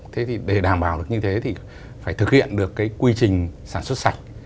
thế thì để đảm bảo được như thế thì phải thực hiện được cái quy trình sản xuất sạch